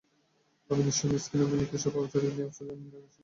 আমি নিঃস্ব মিসকীন, আমি নিকৃষ্ট পাপাচারীর ন্যায় অশ্রুসজল নয়নে ক্রন্দন করছি।